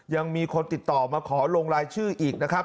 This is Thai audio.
ยังมีคนติดต่อมาขอลงรายชื่ออีกนะครับ